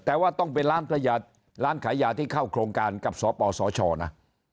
แต่ว่าต้องเป็นร้านขายยาที่เข้าโครงการกับสปสชนะ